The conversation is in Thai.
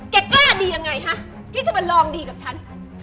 กล้าดียังไงคะที่จะมาลองดีกับฉัน